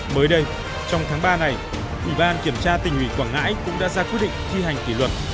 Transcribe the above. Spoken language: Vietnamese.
mới đây trong tháng ba này ủy ban kiểm tra tình hủy quảng ngãi cũng đã ra quyết định thi hành kỷ luật